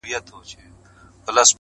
آس که ټکنى دئ، ميدان يي لنډنى دئ.